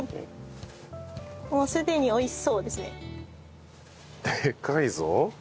もうすでに美味しそうですね。